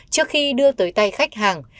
trước khi đưa tới tay khách hàng